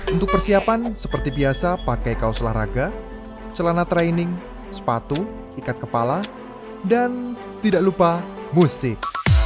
untuk persiapan seperti biasa pakai kaos olahraga celana training sepatu ikat kepala dan tidak lupa musik